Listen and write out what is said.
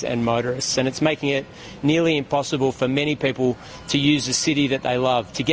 dan membuatnya hampir tidak mungkin untuk banyak orang menggunakan kota yang mereka suka